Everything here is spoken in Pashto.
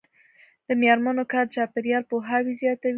د میرمنو کار د چاپیریال پوهاوي زیاتوي.